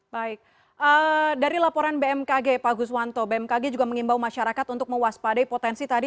baik dari laporan bmkg pak guswanto bmkg juga mengimbau masyarakat untuk mewaspadai potensi tadi